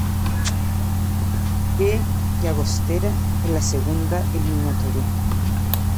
E. Llagostera en la segunda eliminatoria.